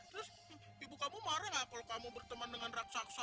terus ibu kamu marah nggak kalau kamu berteman dengan raksasa